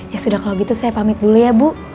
ya sudah kalau gitu saya pamit dulu ya bu